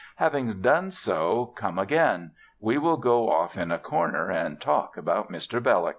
Having done so, come again: we will go off in a corner and talk about Mr. Belloc.